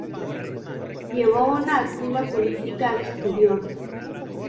Llevó una activa política exterior.